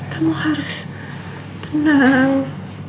kamu harus tenang